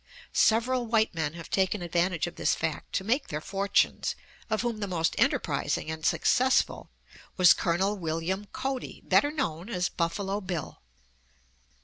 Several white men have taken advantage of this fact to make their fortunes, of whom the most enterprising and successful was Col. William Cody, better known as "Buffalo Bill."